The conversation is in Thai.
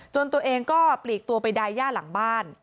ตัวเองก็ปลีกตัวไปดายย่าหลังบ้าน